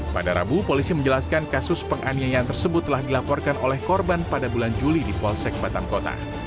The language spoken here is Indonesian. pada rabu polisi menjelaskan kasus penganiayaan tersebut telah dilaporkan oleh korban pada bulan juli di polsek batang kota